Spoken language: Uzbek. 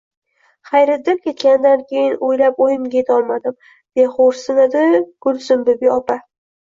Xayriddin ketganidan keyin o`ylab o`yimga etolmadim, deya xo`rsinadi Gulsimbibi opa